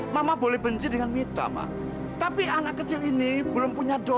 sampai jumpa di video selanjutnya